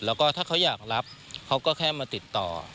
แล้วก็ถ้าเขาอยากรับเขาก็แค่มาติดต่อ